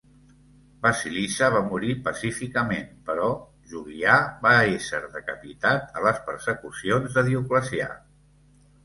Basilissa va morir pacíficament, però Julià va ésser decapitat a les persecucions de Dioclecià.